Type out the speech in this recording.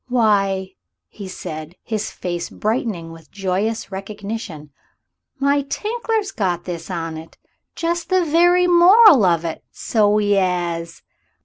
"Why," said he, his face brightening with joyous recognition, "my Tinkler's got this on it just the very moral of it, so 'e 'as."